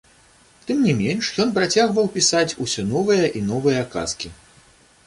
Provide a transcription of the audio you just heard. Тым не менш ён працягваў пісаць усё новыя і новыя казкі.